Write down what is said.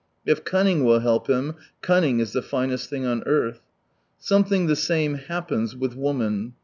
If cunning will help him, cunning is the finest thing on earth. Something the same happens with woman.